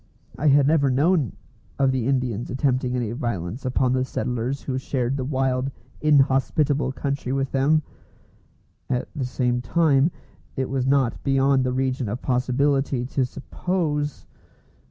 I had never known of the Indians attempting any violence upon the settlers who shared the wild, inhospitable country with them; at the same time, it was not beyond the region of possibility to suppose.